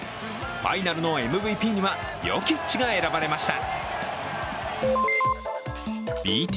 ファイナルのＭＶＰにはヨキッチが選ばれました。